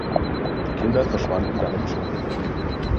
Die Kinder verschwanden dann im Dschungel.